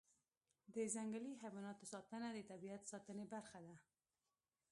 د ځنګلي حیواناتو ساتنه د طبیعت ساتنې برخه ده.